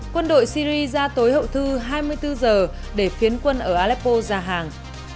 quân đội syri ra tối hậu thư hai mươi bốn giờ để phiến quân ở aleppo ra hàng